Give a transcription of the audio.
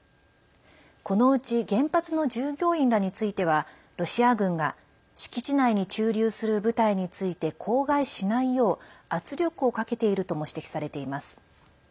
このうち原発の従業員らについてはロシア軍が敷地内に駐留する部隊について口外しないよう圧力をかけているとも指摘されています。